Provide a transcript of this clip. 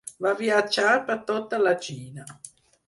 Va viatjar per tota la Xina.